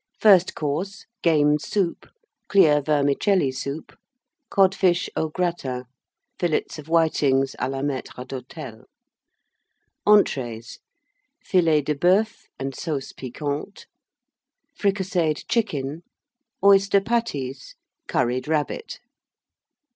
FIRST COURSE. Game Soup. Clear Vermicelli Soup. Codfish au gratin. Fillets of Whitings à la Maître d'Hôtel. ENTREES. Filet de Boeuf and Sauce Piquante. Fricasseed Chicken. Oyster Patties. Curried Rabbit.